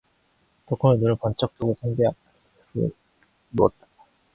덕호는 눈을 번쩍 뜨고 선비와 할멈을 본 후에 드러누웠다.